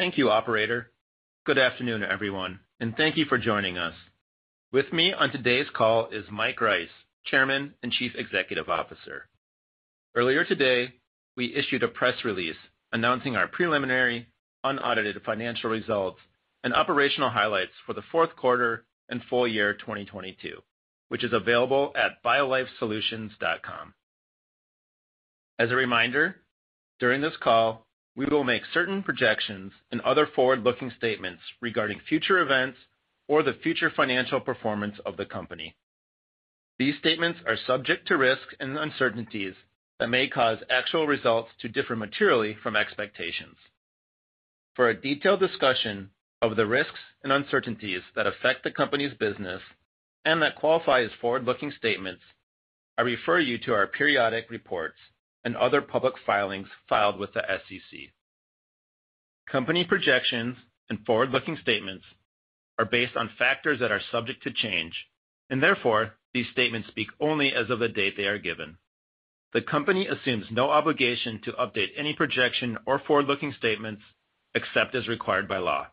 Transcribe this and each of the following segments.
Thank you operator. Good afternoon everyone, and thank you for joining us. With me on today's call is Mike Rice, Chairman and Chief Executive Officer. Earlier today, we issued a press release announcing our preliminary unaudited financial results and operational highlights for the fourth quarter and full year 2022, which is available at biolifesolutions.com. As a reminder, during this call, we will make certain projections and other forward-looking statements regarding future events or the future financial performance of the company. These statements are subject to risks and uncertainties that may cause actual results to differ materially from expectations. For a detailed discussion of the risks and uncertainties that affect the company's business and that qualify as forward-looking statements, I refer you to our periodic reports and other public filings filed with the SEC. Company projections and forward-looking statements are based on factors that are subject to change, and therefore, these statements speak only as of the date they are given. The company assumes no obligation to update any projection or forward-looking statements except as required by law.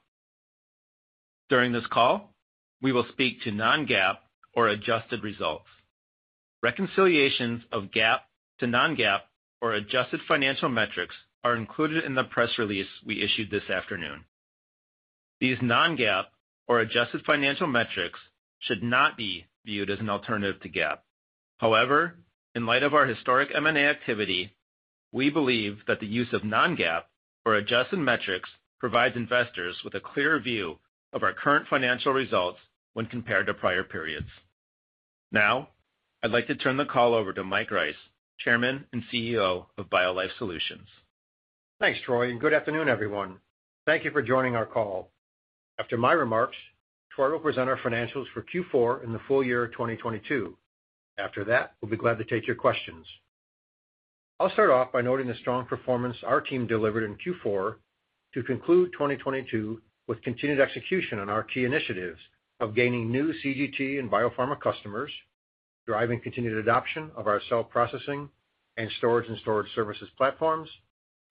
During this call, we will speak to non-GAAP or adjusted results. Reconciliations of GAAP to non-GAAP or adjusted financial metrics are included in the press release we issued this afternoon. These non-GAAP or adjusted financial metrics should not be viewed as an alternative to GAAP. However, in light of our historic M&A activity, we believe that the use of non-GAAP or adjusted metrics provides investors with a clear view of our current financial results when compared to prior periods. Now, I'd like to turn the call over to Mike Rice, Chairman and Chief Executive Officer of BioLife Solutions. Thanks, Troy. Good afternoon, everyone. Thank you for joining our call. After my remarks, Troy will present our financials for Q4 and the full year of 2022. After that, we'll be glad to take your questions. I'll start off by noting the strong performance our team delivered in Q4 to conclude 2022 with continued execution on our key initiatives of gaining new CGT and biopharma customers, driving continued adoption of our cell processing and storage services platforms,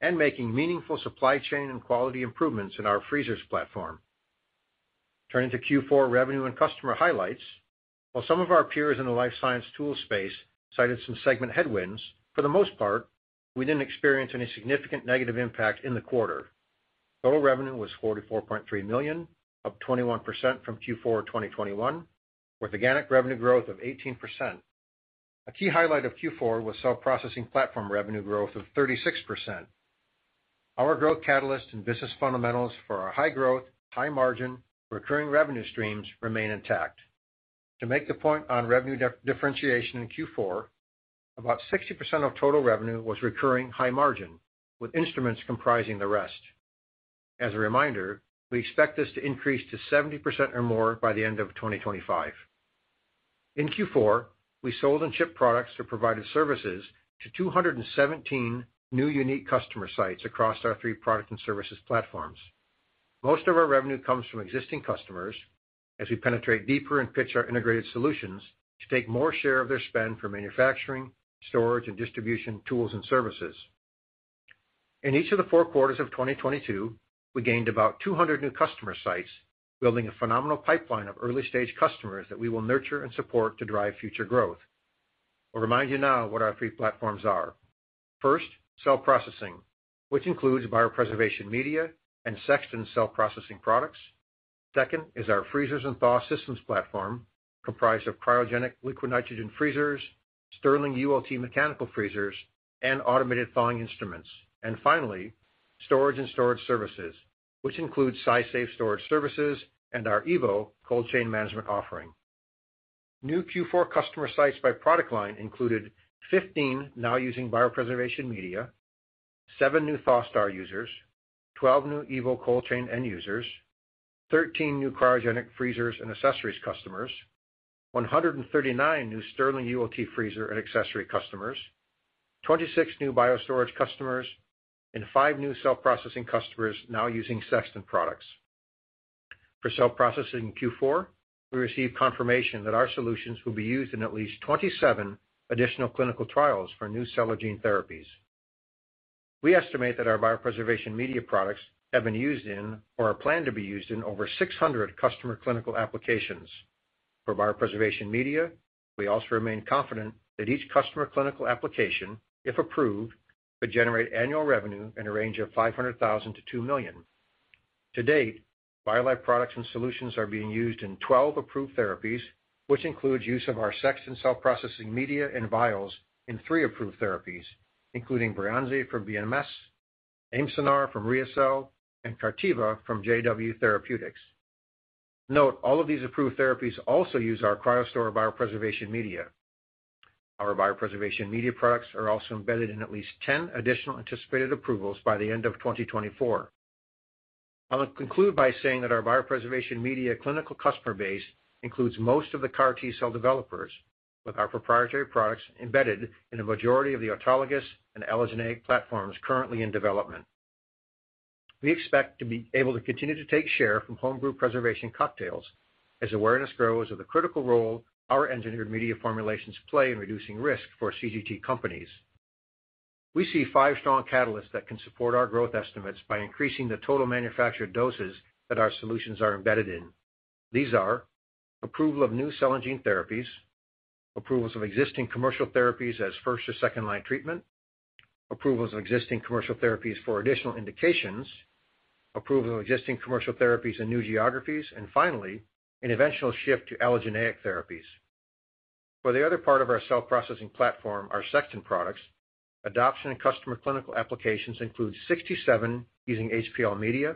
and making meaningful supply chain and quality improvements in our freezers platform. Turning to Q4 revenue and customer highlights, while some of our peers in the life science tool space cited some segment headwinds, for the most part, we didn't experience any significant negative impact in the quarter. Total revenue was $44.3 million, up 21% from Q4 2021, with organic revenue growth of 18%. A key highlight of Q4 was cell processing platform revenue growth of 36%. Our growth catalyst and business fundamentals for our high growth, high margin, recurring revenue streams remain intact. To make the point on revenue differentiation in Q4, about 60% of total revenue was recurring high margin, with instruments comprising the rest. As a reminder, we expect this to increase to 70% or more by the end of 2025. In Q4, we sold and shipped products or provided services to 217 new unique customer sites across our three product and services platforms. Most of our revenue comes from existing customers as we penetrate deeper and pitch our integrated solutions to take more share of their spend for manufacturing, storage, and distribution, tools and services. In each of the four quarters of 2022, we gained about 200 new customer sites, building a phenomenal pipeline of early-stage customers that we will nurture and support to drive future growth. I'll remind you now what our three platforms are. First, cell processing, which includes biopreservation media and Sexton cell processing products. Second is our freezers and thaw systems platform, comprised of cryogenic liquid nitrogen freezers, Stirling ULT mechanical freezers, and automated thawing instruments. Finally, storage and storage services, which includes SciSafe storage services and our EVO cold chain management offering. New Q4 customer sites by product line included 15 now using biopreservation media, seven new ThawSTAR users, 12 new EVO cold chain end users, 13 new cryogenic freezers and accessories customers, 139 new Stirling ULT freezer and accessory customers, 26 new Biostorage customers, and five new cell processing customers now using Sexton products. For cell processing in Q4, we received confirmation that our solutions will be used in at least 27 additional clinical trials for new cell or gene therapies. We estimate that our biopreservation media products have been used in or are planned to be used in over 600 customer clinical applications. For biopreservation media, we also remain confident that each customer clinical application, if approved, could generate annual revenue in a range of $500,000-$2 million. To date, BioLife products and solutions are being used in 12 approved therapies, which includes use of our Sexton cell processing media and vials in three approved therapies, including Breyanzi from BMS, Abecma from ReoCell, and Carteyva from JW Therapeutics. Note, all of these approved therapies also use our CryoStor biopreservation media. Our biopreservation media products are also embedded in at least 10 additional anticipated approvals by the end of 2024. I will conclude by saying that our biopreservation media clinical customer base includes most of the CAR T-cell developers, with our proprietary products embedded in a majority of the autologous and allogeneic platforms currently in development. We expect to be able to continue to take share from homebrew preservation cocktails as awareness grows of the critical role our engineered media formulations play in reducing risk for CGT companies. We see five strong catalysts that can support our growth estimates by increasing the total manufactured doses that our solutions are embedded in. These are approval of new cell and gene therapies, approvals of existing commercial therapies as first or second line treatment, approvals of existing commercial therapies for additional indications, approval of existing commercial therapies in new geographies, and finally, an eventual shift to allogeneic therapies. For the other part of our cell processing platform, our Sexton products, adoption in customer clinical applications include 67 using HPL media,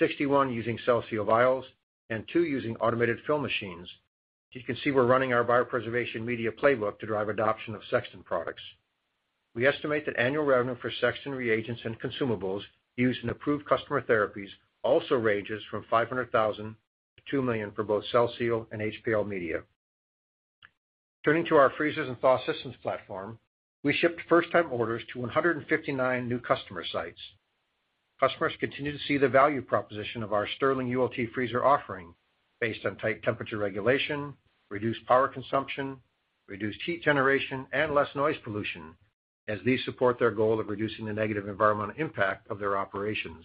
61 using CellSeal vials, and two using automated fill machines. As you can see, we're running our biopreservation media playbook to drive adoption of Sexton products. We estimate that annual revenue for Sexton reagents and consumables used in approved customer therapies also ranges from $500,000-$2 million for both CellSeal and HPL media. Turning to our freezers and thaw systems platform, we shipped first-time orders to 159 new customer sites. Customers continue to see the value proposition of our Stirling ULT freezer offering based on tight temperature regulation, reduced power consumption, reduced heat generation, and less noise pollution, as these support their goal of reducing the negative environmental impact of their operations.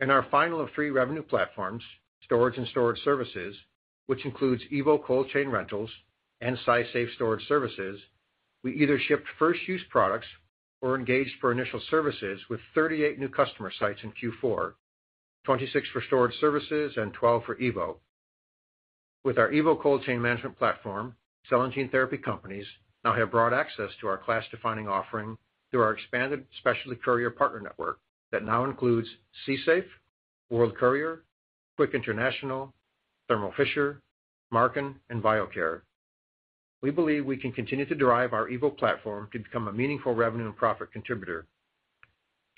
In our final of three revenue platforms, storage and storage services, which includes EVO cold chain rentals and SciSafe storage services, we either shipped first-use products or engaged for initial services with 38 new customer sites in Q4, 26 for storage services and 12 for EVO. With our EVO cold chain management platform, cell and gene therapy companies now have broad access to our class-defining offering through our expanded specialty courier partner network that now includes SciSafe, World Courier, Quick International, Thermo Fisher, Marken, and Biocair. We believe we can continue to drive our EVO platform to become a meaningful revenue and profit contributor.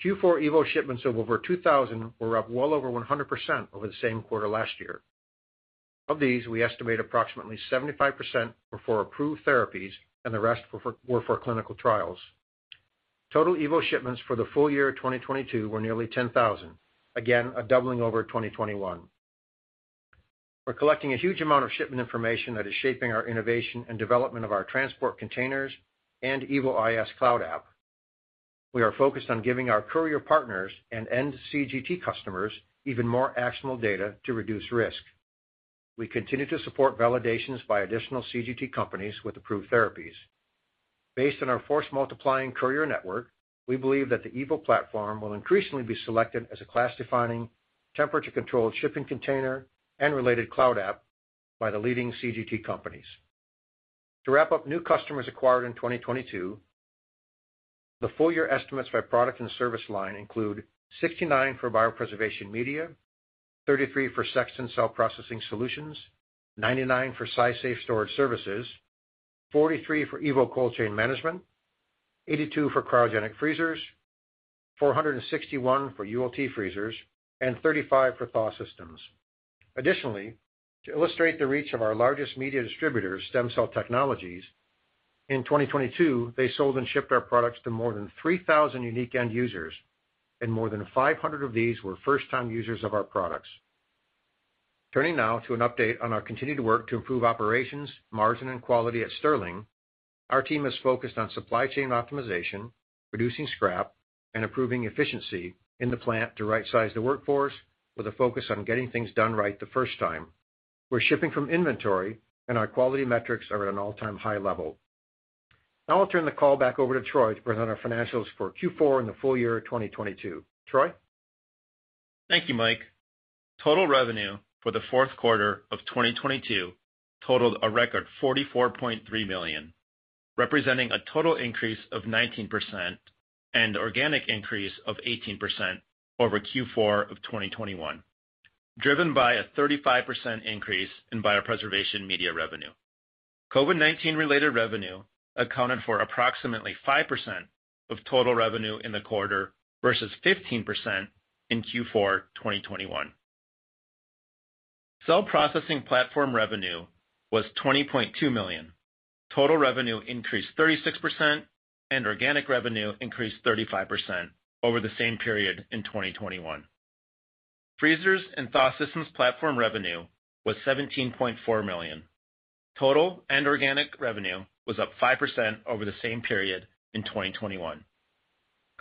Q4 EVO shipments of over 2,000 were up well over 100% over the same quarter last year. Of these, we estimate approximately 75% were for approved therapies and the rest were for clinical trials. Total EVO shipments for the full year 2022 were nearly 10,000. A doubling over 2021. We're collecting a huge amount of shipment information that is shaping our innovation and development of our transport containers and EVO IS cloud app. We are focused on giving our courier partners and end CGT customers even more actionable data to reduce risk. We continue to support validations by additional CGT companies with approved therapies. Based on our force multiplying courier network, we believe that the EVO platform will increasingly be selected as a class-defining temperature-controlled shipping container and related cloud app by the leading CGT companies. To wrap up new customers acquired in 2022, the full year estimates by product and service line include 69 for biopreservation media, 33 for Sexton cell processing solutions, 99 for SciSafe storage services, 43 for EVO cold chain management, 82 for cryogenic freezers, 461 for ULT freezers, and 35 for thaw systems. Additionally, to illustrate the reach of our largest media distributor, STEMCELL Technologies, in 2022, they sold and shipped our products to more than 3,000 unique end users, more than 500 of these were first-time users of our products. Turning now to an update on our continued work to improve operations, margin, and quality at Stirling, our team is focused on supply chain optimization, reducing scrap, and improving efficiency in the plant to right-size the workforce with a focus on getting things done right the first time. We're shipping from inventory, our quality metrics are at an all-time high level. Now I'll turn the call back over to Troy to present our financials for Q4 and the full year 2022. Troy? Thank you, Mike. Total revenue for the fourth quarter of 2022 totaled a record $44.3 million, representing a total increase of 19% and organic increase of 18% over Q4 of 2021, driven by a 35% increase in biopreservation media revenue. COVID-19 related revenue accounted for approximately 5% of total revenue in the quarter versus 15% in Q4 2021. Cell processing platform revenue was $20.2 million. Total revenue increased 36%, and organic revenue increased 35% over the same period in 2021. Freezers and thaw systems platform revenue was $17.4 million. Total and organic revenue was up 5% over the same period in 2021.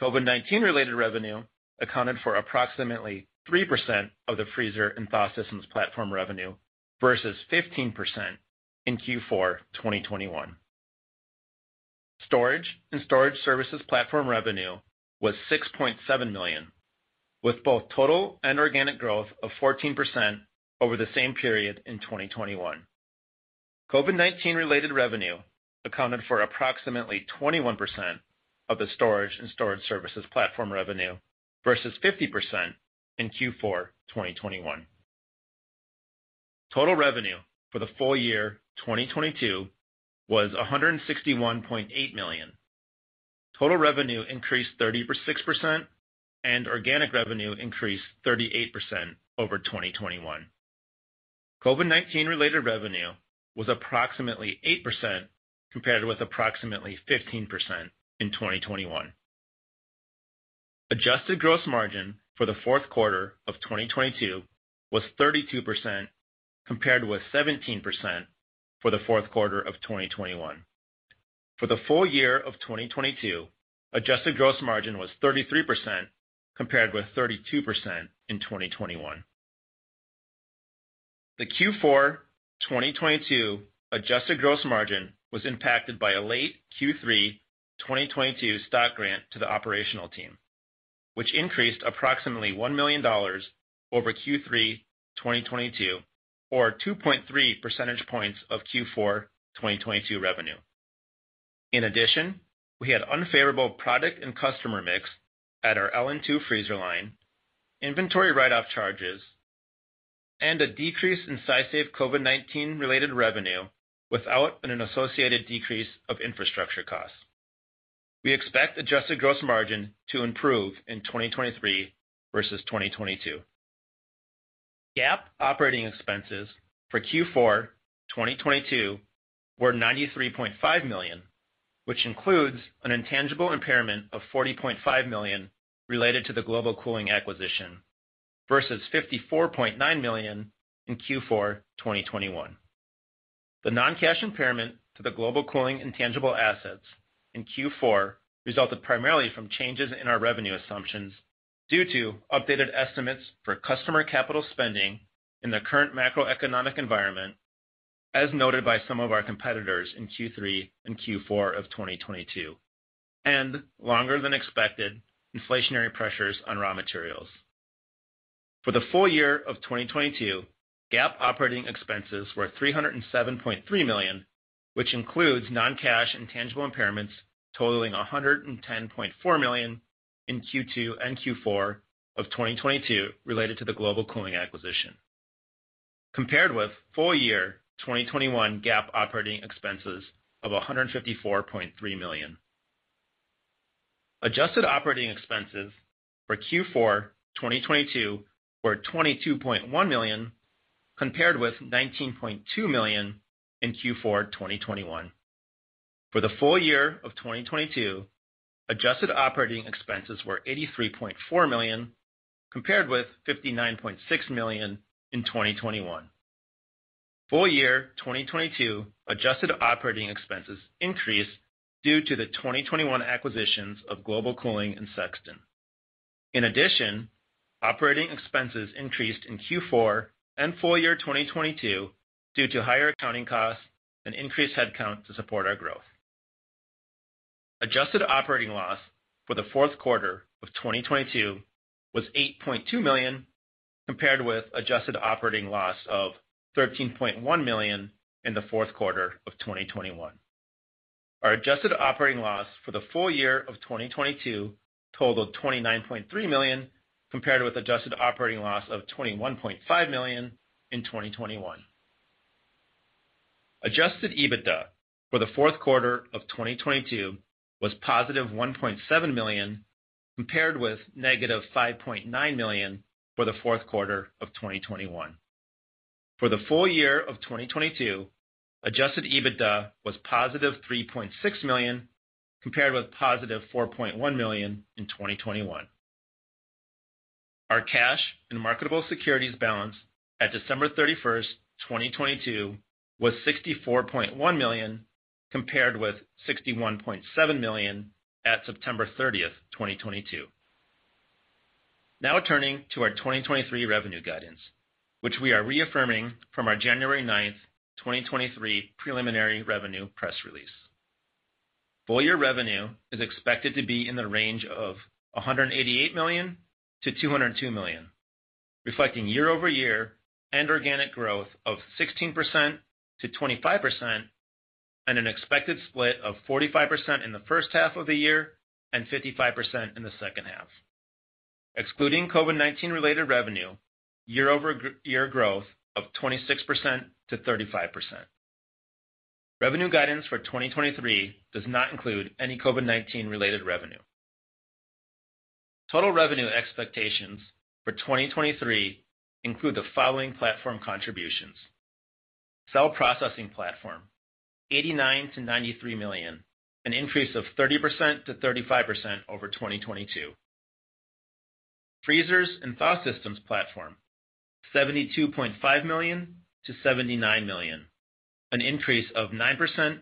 COVID-19 related revenue accounted for approximately 3% of the freezer and thaw systems platform revenue versus 15% in Q4 2021. Storage and storage services platform revenue was $6.7 million, with both total and organic growth of 14% over the same period in 2021. COVID-19 related revenue accounted for approximately 21% of the storage and storage services platform revenue versus 50% in Q4 2021. Total revenue for the full year 2022 was $161.8 million. Total revenue increased 36%, and organic revenue increased 38% over 2021. COVID-19 related revenue was approximately 8% compared with approximately 15% in 2021. Adjusted gross margin for the fourth quarter of 2022 was 32% compared with 17% for the fourth quarter of 2021. For the full year of 2022, adjusted gross margin was 33% compared with 32% in 2021. The Q4 2022 adjusted gross margin was impacted by a late Q3 2022 stock grant to the operational team, which increased approximately $1 million over Q3 2022, or 2.3 percentage points of Q4 2022 revenue. In addition, we had unfavorable product and customer mix at our LN2 freezer line, inventory write-off charges, and a decrease in SciSafe COVID-19 related revenue without an associated decrease of infrastructure costs. We expect adjusted gross margin to improve in 2023 versus 2022. GAAP operating expenses for Q4 2022 were $93.5 million, which includes an intangible impairment of $40.5 million related to the Global Cooling acquisition versus $54.9 million in Q4 2021. The non-cash impairment to the Global Cooling intangible assets in Q4 resulted primarily from changes in our revenue assumptions due to updated estimates for customer capital spending in the current macroeconomic environment, as noted by some of our competitors in Q3 and Q4 of 2022, and longer than expected inflationary pressures on raw materials. For the full year of 2022, GAAP operating expenses were $307.3 million, which includes non-cash intangible impairments totaling $110.4 million in Q2 and Q4 of 2022 related to the Global Cooling acquisition, compared with full year 2021 GAAP operating expenses of $154.3 million. Adjusted operating expenses for Q4 2022 were $22.1 million, compared with $19.2 million in Q4 2021. For the full year of 2022, adjusted operating expenses were $83.4 million, compared with $59.6 million in 2021. Full year 2022 adjusted operating expenses increased due to the 2021 acquisitions of Global Cooling and Sexton. Operating expenses increased in Q4 and full year 2022 due to higher accounting costs and increased headcount to support our growth. Adjusted operating loss for the fourth quarter of 2022 was $8.2 million, compared with adjusted operating loss of $13.1 million in the fourth quarter of 2021. Our adjusted operating loss for the full year of 2022 totaled $29.3 million, compared with adjusted operating loss of $21.5 million in 2021. Adjusted EBITDA for the fourth quarter of 2022 was positive $1.7 million, compared with negative $5.9 million for the fourth quarter of 2021. For the full year of 2022, adjusted EBITDA was positive $3.6 million, compared with positive $4.1 million in 2021. Our cash and marketable securities balance at December 31, 2022 was $64.1 million, compared with $61.7 million at September 30, 2022. Turning to our 2023 revenue guidance, which we are reaffirming from our January 9, 2023 preliminary revenue press release. Full year revenue is expected to be in the range of $188 million-$202 million, reflecting year-over-year and organic growth of 16%-25% and an expected split of 45% in the first half of the year and 55% in the second half. Excluding COVID-19 related revenue, year-over-year growth of 26%-35%. Revenue guidance for 2023 does not include any COVID-19 related revenue. Total revenue expectations for 2023 include the following platform contributions. Cell processing platform, $89 million-$93 million, an increase of 30%-35% over 2022. Freezers and thaw systems platform, $72.5 million-$79 million, an increase of 9%-18%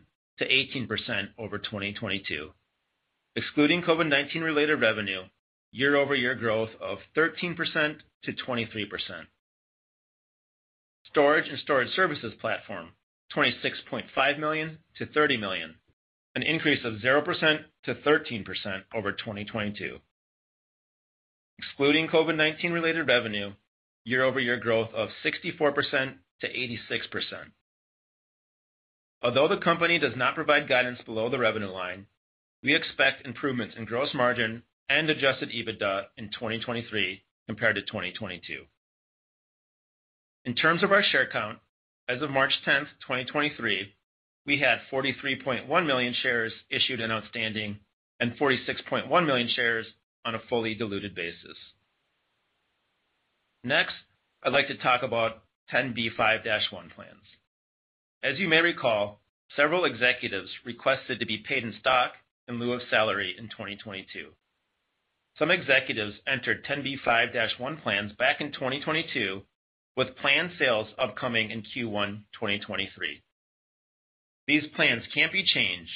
over 2022. Excluding COVID-19 related revenue, year-over-year growth of 13%-23%. Storage and storage services platform, $26.5 million-$30 million, an increase of 0%-13% over 2022. Excluding COVID-19 related revenue, year-over-year growth of 64%-86%. Although the company does not provide guidance below the revenue line, we expect improvements in gross margin and adjusted EBITDA in 2023 compared to 2022. In terms of our share count, as of March 10th, 2023, we had 43.1 million shares issued and outstanding and 46.1 million shares on a fully diluted basis. I'd like to talk about 10b5-1 plans. As you may recall, several executives requested to be paid in stock in lieu of salary in 2022. Some executives entered 10b5-1 plans back in 2022 with planned sales upcoming in Q1 2023. These plans can't be changed,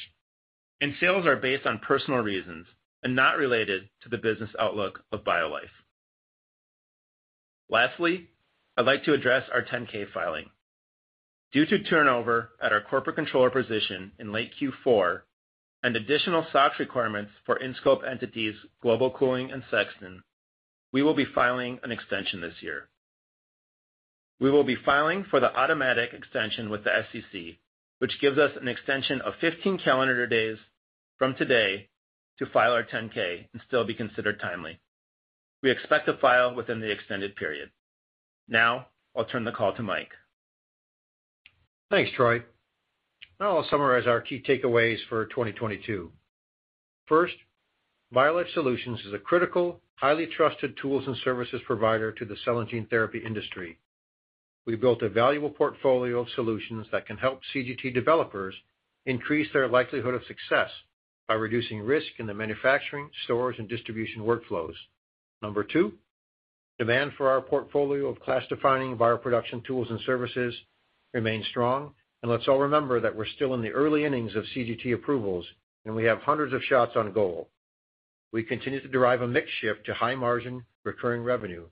and sales are based on personal reasons and not related to the business outlook of BioLife. Lastly, I'd like to address our 10-K filing. Due to turnover at our corporate controller position in late Q4 and additional SOX requirements for in-scope entities Global Cooling and Sexton, we will be filing an extension this year. We will be filing for the automatic extension with the SEC, which gives us an extension of 15 calendar days from today to file our 10-K and still be considered timely. We expect to file within the extended period. Now I'll turn the call to Mike. Thanks, Troy. Now I'll summarize our key takeaways for 2022. First, BioLife Solutions is a critical, highly trusted tools and services provider to the cell and gene therapy industry. We built a valuable portfolio of solutions that can help CGT developers increase their likelihood of success by reducing risk in the manufacturing, storage, and distribution workflows. Number two, demand for our portfolio of class-defining bioproduction tools and services remains strong. Let's all remember that we're still in the early innings of CGT approvals, and we have hundreds of shots on goal. We continue to derive a mix shift to high margin recurring revenue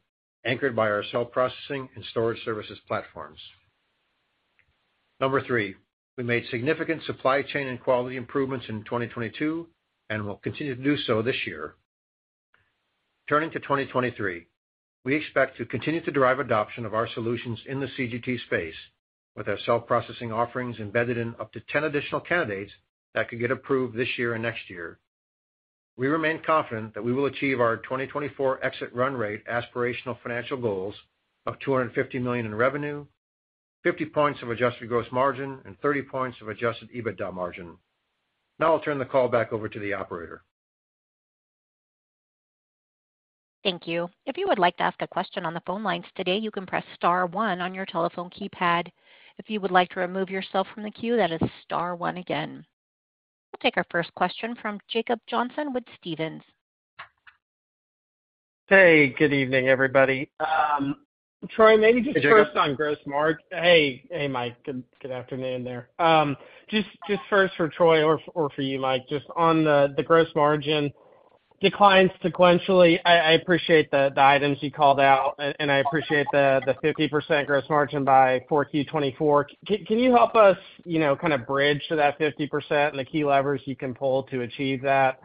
anchored by our cell processing and storage services platforms. Number three, we made significant supply chain and quality improvements in 2022 and will continue to do so this year. Turning to 2023, we expect to continue to derive adoption of our solutions in the CGT space with our cell processing offerings embedded in up to 10 additional candidates that could get approved this year and next year. We remain confident that we will achieve our 2024 exit run rate aspirational financial goals of $250 million in revenue, 50 points of adjusted gross margin, and 30 points of adjusted EBITDA margin. I'll turn the call back over to the operator. Thank you. If you would like to ask a question on the phone lines today, you can press star one on your telephone keypad. If you would like to remove yourself from the queue, that is star one again. We'll take our first question from Jacob Johnson with Stephens. Hey, good evening, everybody. Troy, maybe just first on. Hey, Jacob. Hey. Hey, Mike. Good afternoon there. Just first for Troy or for you, Mike, just on the gross margin decline sequentially. I appreciate the items you called out, and I appreciate the 50% gross margin by 4Q 2024. Can you help us, you know, kind of bridge to that 50% and the key levers you can pull to achieve that?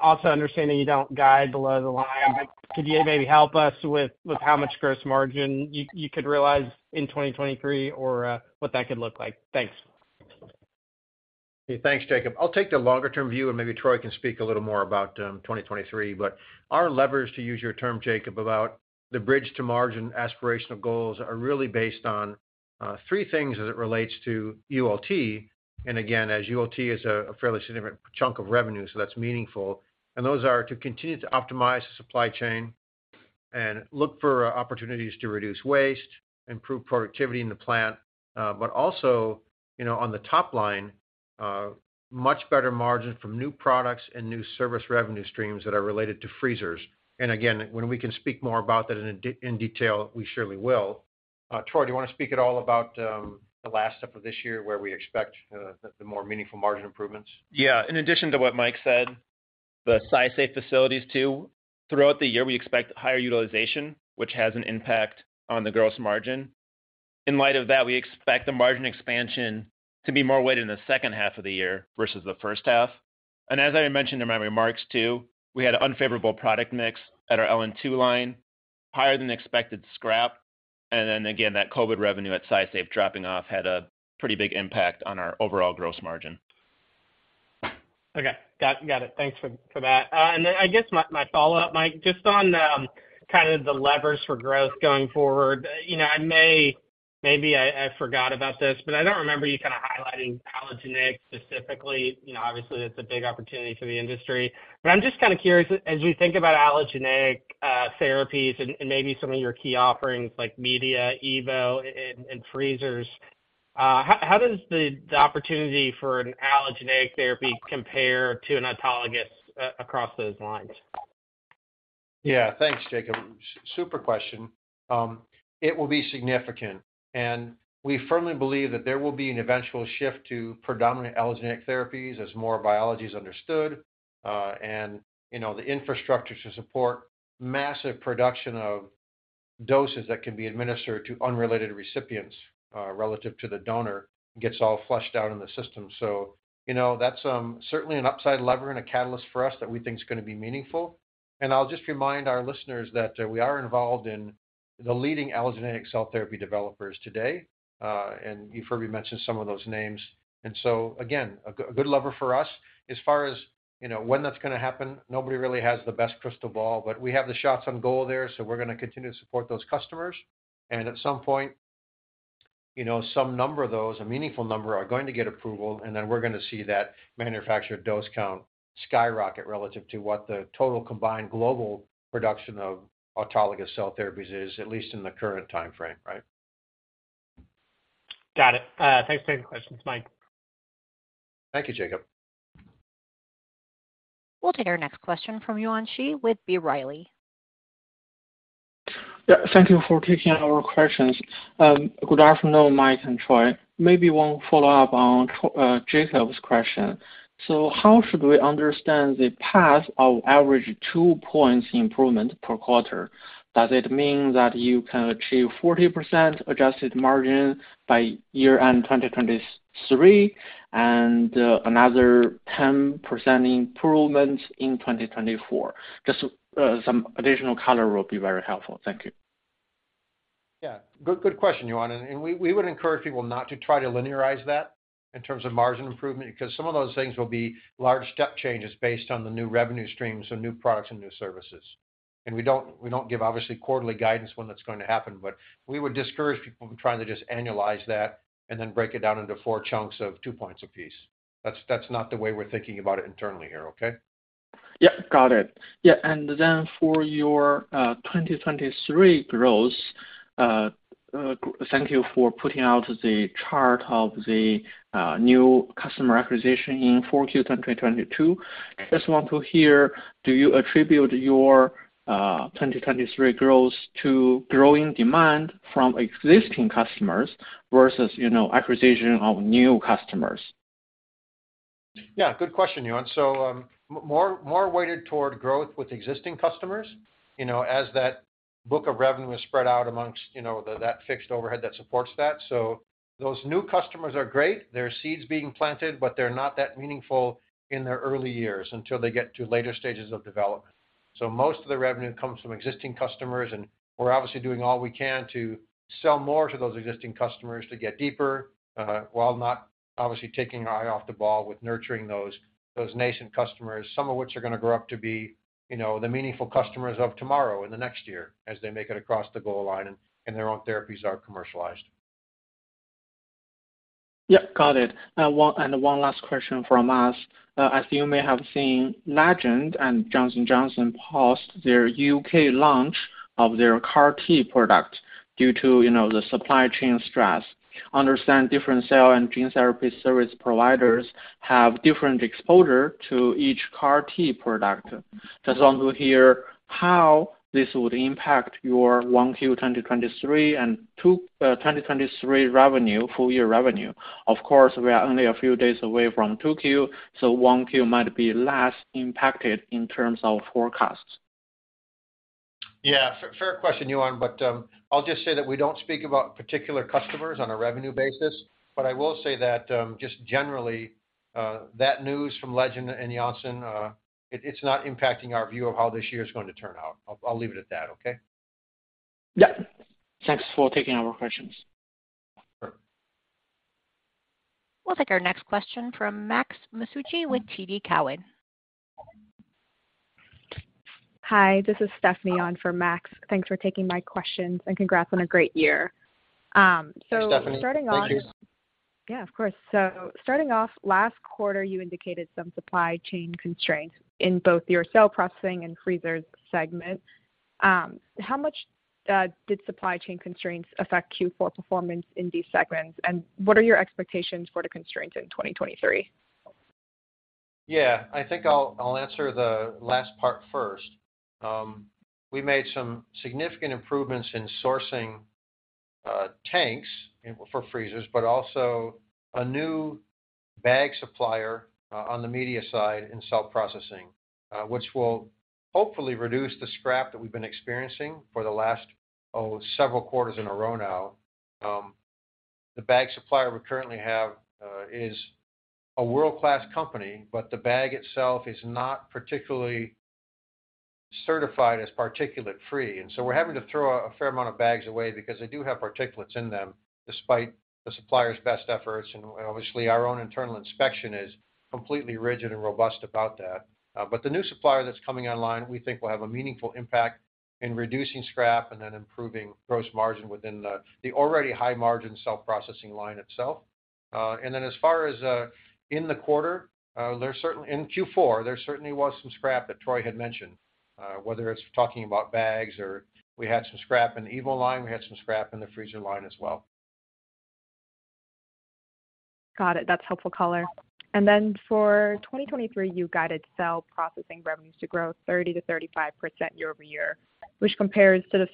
Also understanding you don't guide below the line, but could you maybe help us with how much gross margin you could realize in 2023 or what that could look like? Thanks. Hey, thanks, Jacob. I'll take the longer-term view, and maybe Troy can speak a little more about 2023. Our levers, to use your term, Jacob, about the bridge to margin aspirational goals are really based on 3 things as it relates to ULT. Again, as ULT is a fairly significant chunk of revenue, so that's meaningful. Those are to continue to optimize the supply chain and look for opportunities to reduce waste, improve productivity in the plant, but also, you know, on the top line, much better margin from new products and new service revenue streams that are related to freezers. Again, when we can speak more about that in detail, we surely will. Troy, do you want to speak at all about the last half of this year, where we expect the more meaningful margin improvements? Yeah. In addition to what Mike said, the SciSafe facilities too, throughout the year, we expect higher utilization, which has an impact on the gross margin. In light of that, we expect the margin expansion to be more weighted in the second half of the year versus the first half. As I mentioned in my remarks too, we had unfavorable product mix at our LN2 line, higher than expected scrap, and then again that COVID revenue at SciSafe dropping off had a pretty big impact on our overall gross margin. Okay. Got it. Thanks for that. Then I guess my follow-up, Mike, just on kind of the levers for growth going forward, you know, maybe I forgot about this, but I don't remember you kind of highlighting allogeneic specifically. You know, obviously that's a big opportunity for the industry. I'm just kind of curious, as we think about allogeneic therapies and maybe some of your key offerings like media, EVO, and freezers, how does the opportunity for an allogeneic therapy compare to an autologous across those lines? Yeah. Thanks, Jacob. Super question. It will be significant. We firmly believe that there will be an eventual shift to predominant allogeneic therapies as more biology is understood, and, you know, the infrastructure to support massive production of doses that can be administered to unrelated recipients, relative to the donor gets all flushed out in the system. You know, that's certainly an upside lever and a catalyst for us that we think is gonna be meaningful. I'll just remind our listeners that we are involved in the leading allogeneic cell therapy developers today, and you've heard me mention some of those names. Again, a good lever for us. As far as, you know, when that's gonna happen, nobody really has the best crystal ball, but we have the shots on goal there, so we're gonna continue to support those customers. At some point. You know, some number of those, a meaningful number, are going to get approval, and then we're gonna see that manufactured dose count skyrocket relative to what the total combined global production of autologous cell therapies is, at least in the current timeframe, right? Got it. Thanks for taking the question. It's Mike. Thank you, Jacob. We'll take our next question from Yuan Zhi with B. Riley. Thank you for taking our questions. Good afternoon, Mike and Troy. Maybe one follow-up on Jacob's question. How should we understand the path of average 2 points improvement per quarter? Does it mean that you can achieve 40% adjusted margin by year-end 2023 and another 10% improvement in 2024? Just, some additional color will be very helpful. Thank you. Yeah. Good, good question, Yuan. We would encourage people not to try to linearize that in terms of margin improvement because some of those things will be large step changes based on the new revenue streams, so new products and new services. We don't give, obviously, quarterly guidance when that's going to happen, but we would discourage people from trying to just annualize that and then break it down into four chunks of two points a piece. That's not the way we're thinking about it internally here, okay? Yeah, got it. Yeah. Then for your 2023 growth, thank you for putting out the chart of the new customer acquisition in 4Q 2022. Just want to hear, do you attribute your 2023 growth to growing demand from existing customers versus, you know, acquisition of new customers? Yeah, good question, Yuan. more weighted toward growth with existing customers, you know, as that book of revenue is spread out amongst, you know, that fixed overhead that supports that. those new customers are great, there are seeds being planted, but they're not that meaningful in their early years until they get to later stages of development. most of the revenue comes from existing customers, and we're obviously doing all we can to sell more to those existing customers to get deeper, while not obviously taking our eye off the ball with nurturing those nascent customers, some of which are gonna grow up to be, you know, the meaningful customers of tomorrow in the next year as they make it across the goal line and their own therapies are commercialized. Yeah, got it. One last question from us. As you may have seen, Legend and Johnson & Johnson paused their U.K. launch of their CAR T product due to, you know, the supply chain stress. Understand different cell and gene therapy service providers have different exposure to each CAR T product. Just want to hear how this would impact your 1Q 2023 and 2023 revenue, full year revenue. Of course, we are only a few days away from 2Q, so 1Q might be less impacted in terms of forecasts. Yeah, fair question, Yuan, but I'll just say that we don't speak about particular customers on a revenue basis. I will say that, just generally, that news from Legend and Janssen, it's not impacting our view of how this year is going to turn out. I'll leave it at that, okay? Yeah. Thanks for taking our questions. Sure. We'll take our next question from Max Masucci with TD Cowen. Hi, this is Stephanie on for Max. Thanks for taking my questions. Congrats on a great year. Hey, Stephanie. Thank you. Yeah, of course. Starting off, last quarter, you indicated some supply chain constraints in both your cell processing and freezers segment. How much did supply chain constraints affect Q4 performance in these segments, and what are your expectations for the constraints in 2023? Yeah. I think I'll answer the last part first. We made some significant improvements in sourcing tanks and for freezers, but also a new bag supplier on the media side in cell processing, which will hopefully reduce the scrap that we've been experiencing for the last several quarters in a row now. The bag supplier we currently have is a world-class company, but the bag itself is not particularly certified as particulate-free. We're having to throw a fair amount of bags away because they do have particulates in them, despite the supplier's best efforts, and obviously, our own internal inspection is completely rigid and robust about that. The new supplier that's coming online we think will have a meaningful impact in reducing scrap and then improving gross margin within the already high-margin cell processing line itself. As far as, in the quarter, in Q4, there certainly was some scrap that Troy had mentioned, whether it's talking about bags or we had some scrap in the EVO line, we had some scrap in the freezer line as well. Got it. That's helpful color. For 2023, you guided cell processing revenues to grow 30%-35% year-over-year, which compares to the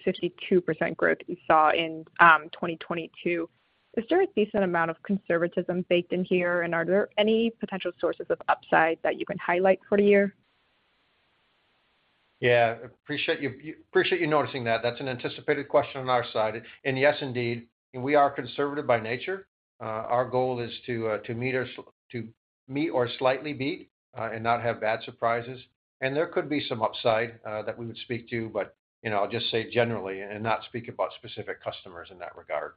52% growth we saw in 2022. Is there a decent amount of conservatism baked in here, and are there any potential sources of upside that you can highlight for the year? Yeah. Appreciate you, appreciate you noticing that. That's an anticipated question on our side. Yes, indeed, we are conservative by nature. Our goal is to meet or slightly beat and not have bad surprises. There could be some upside that we would speak to, but, you know, I'll just say generally and not speak about specific customers in that regard.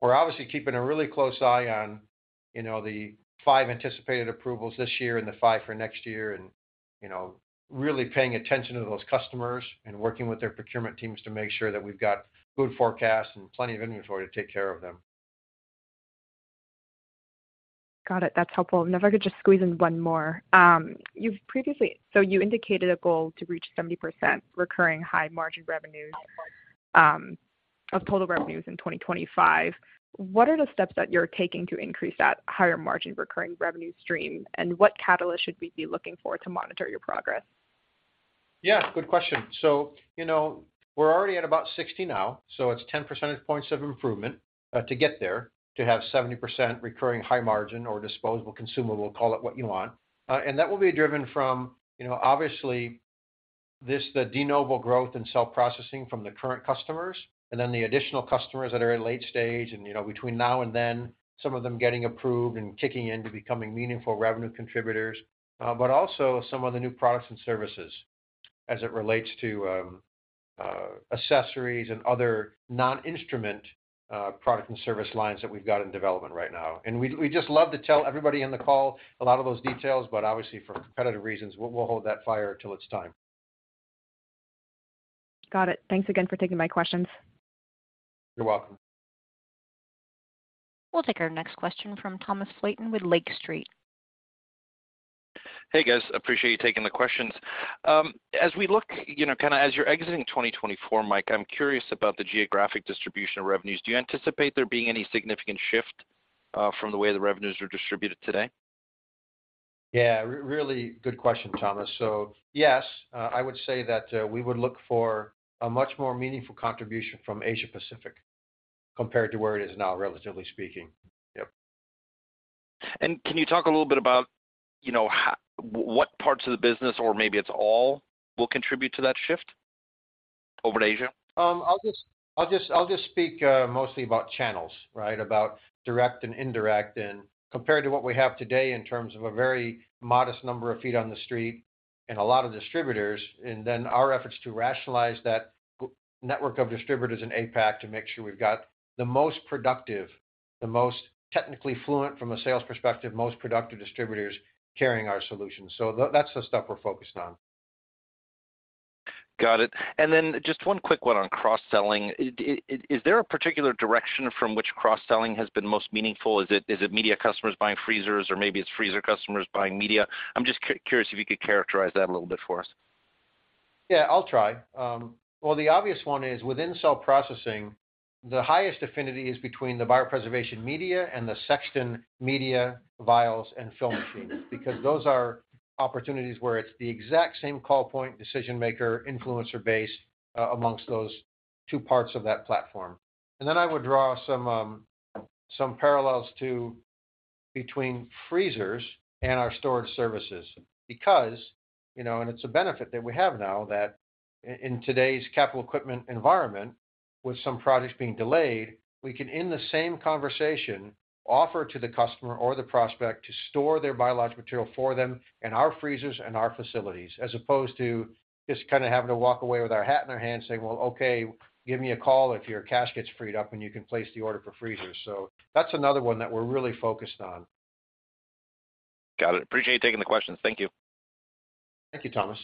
We're obviously keeping a really close eye on, you know, the five anticipated approvals this year and the five for next year. You know, really paying attention to those customers and working with their procurement teams to make sure that we've got good forecasts and plenty of inventory to take care of them. Got it. That's helpful. If I could just squeeze in one more. You indicated a goal to reach 70% recurring high margin revenues of total revenues in 2025. What are the steps that you're taking to increase that higher margin recurring revenue stream? What catalyst should we be looking for to monitor your progress? Yeah, good question. You know, we're already at about 60 now, so it's 10 percentage points of improvement to get there, to have 70% recurring high margin or disposable consumable, call it what you want. That will be driven from, you know, obviously this, the de novo growth in cell processing from the current customers and then the additional customers that are in late stage and, you know, between now and then, some of them getting approved and kicking in to becoming meaningful revenue contributors. Also some of the new products and services as it relates to accessories and other non-instrument product and service lines that we've got in development right now. We'd just love to tell everybody in the call a lot of those details, but obviously, for competitive reasons, we'll hold that fire till it's time. Got it. Thanks again for taking my questions. You're welcome. We'll take our next question from Thomas Flaten with Lake Street Capital Markets. Hey, guys. Appreciate you taking the questions. As we look, you know, kinda as you're exiting 2024, Mike, I'm curious about the geographic distribution of revenues. Do you anticipate there being any significant shift from the way the revenues are distributed today? Yeah, really good question, Thomas. Yes, I would say that, we would look for a much more meaningful contribution from Asia-Pacific compared to where it is now, relatively speaking. Yep. Can you talk a little bit about, you know, what parts of the business or maybe it's all will contribute to that shift over to Asia? I'll just speak mostly about channels, right? About direct and indirect and compared to what we have today in terms of a very modest number of feet on the street and a lot of distributors, and then our efforts to rationalize that network of distributors in APAC to make sure we've got the most productive, the most technically fluent from a sales perspective, most productive distributors carrying our solutions. That's the stuff we're focused on. Got it. Just one quick one on cross-selling. Is there a particular direction from which cross-selling has been most meaningful? Is it media customers buying freezers, or maybe it's freezer customers buying media? I'm just curious if you could characterize that a little bit for us. Yeah, I'll try. The obvious one is within cell processing, the highest affinity is between the biopreservation media and the Sexton media vials and film machines because those are opportunities where it's the exact same call point, decision-maker, influencer base amongst those two parts of that platform. I would draw some parallels to between freezers and our storage services because, you know, and it's a benefit that we have now that in today's capital equipment environment with some projects being delayed, we can, in the same conversation, offer to the customer or the prospect to store their biological material for them in our freezers in our facilities, as opposed to just kinda having to walk away with our hat in our hand saying, "Well, okay, give me a call if your cash gets freed up, and you can place the order for freezers." That's another one that we're really focused on. Got it. Appreciate you taking the questions. Thank you. Thank you, Thomas.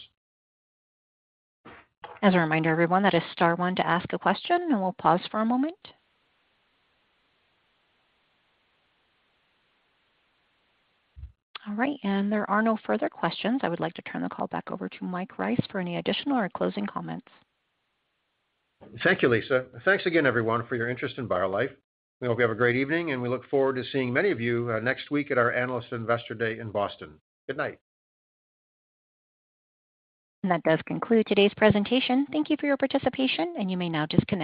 As a reminder, everyone, that is star one to ask a question. We'll pause for a moment. All right. There are no further questions. I would like to turn the call back over to Mike Rice for any additional or closing comments. Thank you, Lisa. Thanks again, everyone, for your interest in BioLife. We hope you have a great evening, and we look forward to seeing many of you next week at our Analyst and Investor Day in Boston. Good night. That does conclude today's presentation. Thank you for your participation, and you may now disconnect.